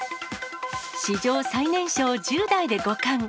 史上最年少１０代で五冠。